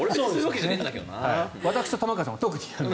私と玉川さんは特に。